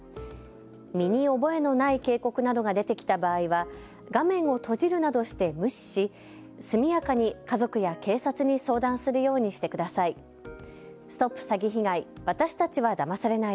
身に覚えのない警告などが出てきた場合は画面を閉じるなどして無視し速やかに家族や警察に相談するようにしてください。